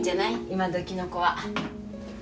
今どきの子は。